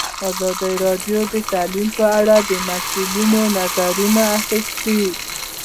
ازادي راډیو د تعلیم په اړه د مسؤلینو نظرونه اخیستي.